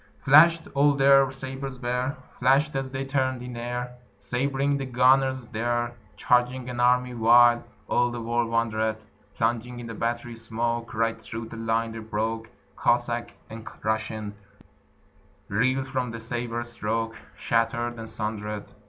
Flashed all their sabres bare, Flashed as they turned in air, Sab'ring the gunners there, Charging an army, while All the world wondered: Plunging in the battery smoke, Right through the line they broke; Cossack and Russian Reeled from the sabre stroke Shattered and sundered.